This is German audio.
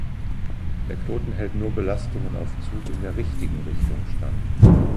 Der Knoten hält nur Belastungen auf Zug in der "richtigen" Richtung stand.